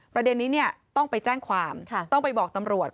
ประเด็นนี้ต้องไปแจ้งความต้องไปบอกตำรวจ